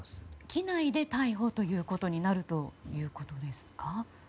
機内で逮捕ということになるということですか。